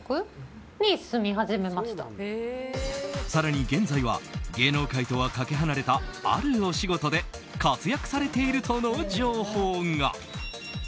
更に現在は芸能界とはかけ離れたあるお仕事で活躍されているとの情報が。